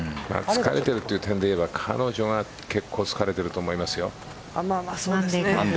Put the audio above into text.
疲れてるという点で言えば彼女は結構疲れていると思いますよ。